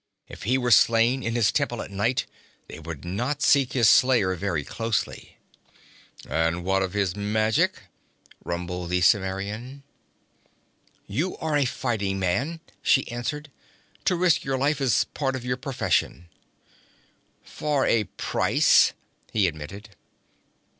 If he were slain in his temple at night, they would not seek his slayer very closely.' 'And what of his magic?' rumbled the Cimmerian. 'You are a fighting man,' she answered. 'To risk your life is part of your profession.' 'For a price,' he admitted.